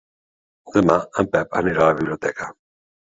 Demà en Pep anirà a la biblioteca.